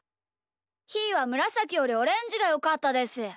ひーはむらさきよりオレンジがよかったです。